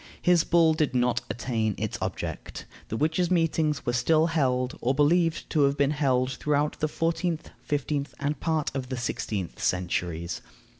His bull did not attain its object. The witches' meetings were still held, or believed to have been held throughout the fourteenth, fifteenth, and part of the sixteenth centuries.